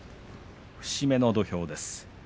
節目の土俵です。